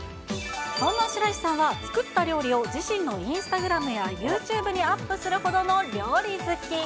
そんな白石さんは、作った料理を自身のインスタグラムやユーチューブにアップするほどの料理好き。